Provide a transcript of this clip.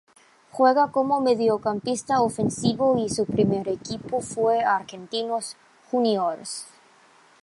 Juega como mediocampista ofensivo y su primer equipo fue Argentinos Juniors.